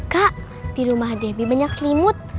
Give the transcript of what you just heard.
kak di rumah debbie banyak selimut